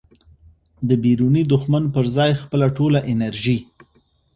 د بیروني دښمن په ځای خپله ټوله انرژي